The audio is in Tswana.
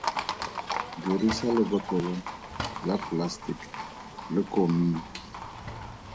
Dirisa lebotlolo la polasetiki le komiki.